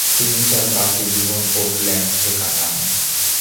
তিনি তার বাকি জীবন ওটল্যান্ডসে কাটান।